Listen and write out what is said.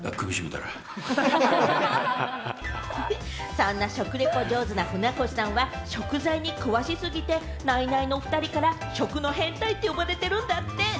そんな食リポ上手な船越さんは、食材に詳しすぎて、ナイナイの２人から食の変態って呼ばれてるんだって。